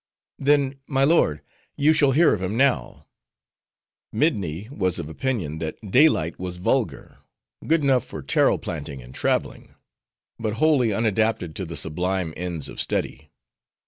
"Then, my lord, you shall hear of him now. Midni was of opinion that day light was vulgar; good enough for taro planting and traveling; but wholly unadapted to the sublime ends of study.